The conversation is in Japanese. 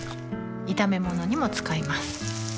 炒め物にも使います